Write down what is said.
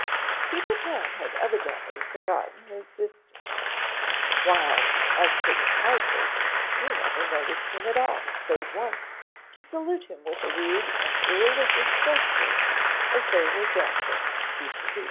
Peter Pan had evidently forgotten her existence; while as for the Kaiser, he never noticed him at all, save once, to salute him with a rude and irreligious gesture as they were dancing vis à vis.